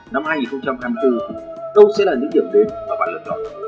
năm hai nghìn hai mươi bốn đâu sẽ là những điểm đến mà bạn lựa chọn